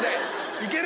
行ける？